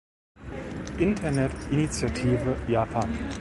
Internet Initiative Japan.